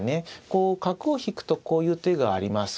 こう角を引くとこういう手があります。